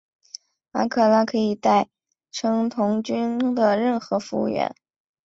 阿克拉可以代称童军的任何服务员。